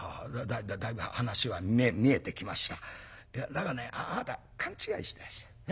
だがねあなた勘違いしてらっしゃる。